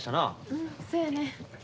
うんそやねん。